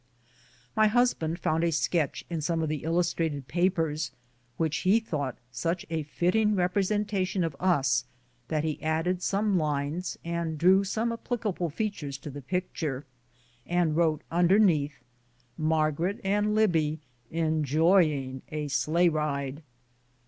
My husband found a sketch in some of the illustrated papers, which he thought such a fitting representation of us that he added some lines and drew some applica ble features to the picture, and wrote underneath, " Mar garet and Libbie enjoying a sleigh ride